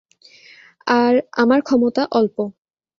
আমার ক্ষমতা অল্প।